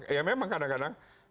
ya memang kadang kadang